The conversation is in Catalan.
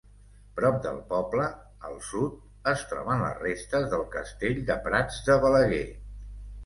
Prop del poble, al sud, es troben les restes del Castell de Prats de Balaguer.